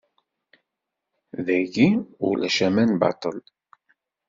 Dayi ulac aman baṭel.